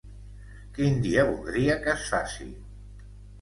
Quin dia voldria que es faci?